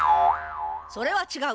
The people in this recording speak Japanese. それはちがう。